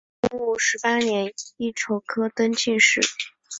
洪武十八年乙丑科登进士。